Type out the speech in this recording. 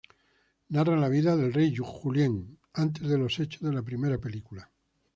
Narra la vida del Rey Julien, antes de los hechos de la primera película.